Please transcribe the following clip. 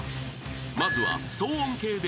［まずは騒音計で］